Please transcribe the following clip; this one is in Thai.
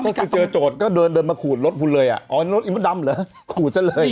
ก็คือเจอโจทย์ก็เดินมาขูดรถพูดเลยอ่ะอ๋อรถนี่มันดำเหรอขูดฉันเลย